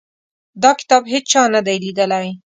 دا کتاب هیچا نه دی لیدلی.